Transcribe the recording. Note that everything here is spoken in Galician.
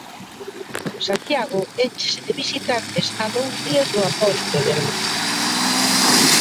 Santiago énchese de visitantes a dous días do Apóstolo.